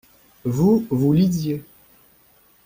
Vous, vous lisiez.